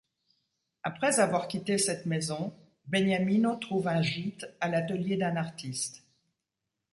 Après avoir quitté cette maison, Beniamino trouve un gîte à l'atelier d'un artiste.